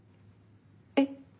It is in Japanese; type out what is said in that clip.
えっ？